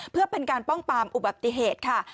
เพื่อเป็นการป้องปามอุบัติเหตุค่ะ